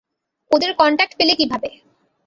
ওদের কন্ট্যাক্ট পেলে কীভাবে?